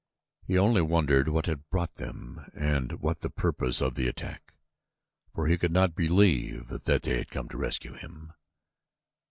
He only wondered what had brought them and what the purpose of the attack, for he could not believe that they had come to rescue him.